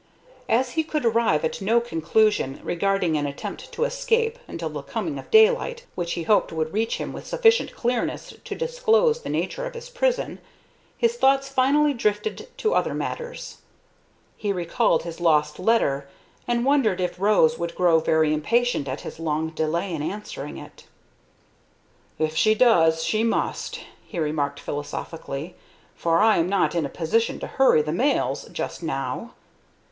As he could arrive at no conclusion regarding an attempt to escape until the coming of daylight, which he hoped would reach him with sufficient clearness to disclose the nature of his prison, his thoughts finally drifted to other matters. He recalled his lost letter, and wondered if Rose would grow very impatient at his long delay in answering it. "If she does, she must," he remarked, philosophically, "for I am not in a position to hurry the mails just now.